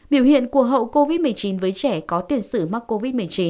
biểu hiện của hậu covid một mươi chín với trẻ có tiền sử mắc covid một mươi chín